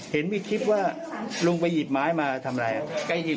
เห็นบทคลิปว่าลุงไปหยิบไม้มาทำไร